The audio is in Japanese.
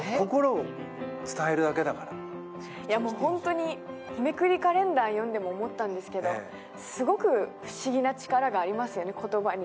ホントに日めくりカレンダー読んでも思ったんですけど、すごく不思議な力がありますよね、言葉に。